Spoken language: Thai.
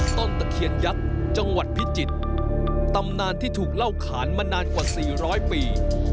ตะเคียนยักษ์จังหวัดพิจิตรตำนานที่ถูกเล่าขานมานานกว่า๔๐๐ปี